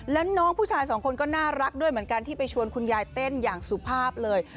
แล้วน้องผู้ชายสองคนก็น่ารักด้วยเหมือนกันที่ไปชวนคุณยายเต้นอย่างสุภาพเลย